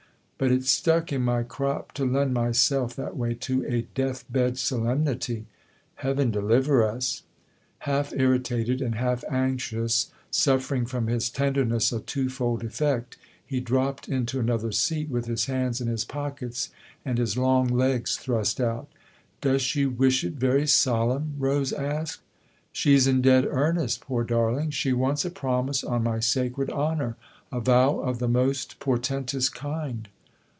But it stuck in my crop to lend myself, that way, to a death bed solemnity. Heaven deliver us !" Half irritated and half anxious, suffer ing from his tenderness a twofold effect, he dropped into another seat with his hands in his pockets and his long legs thrust out " Does she wish it very solemn ?" Rose asked. " She's in dead earnest, poor darling. She wants a promise on my sacred honour a vow of the most portentous kind.''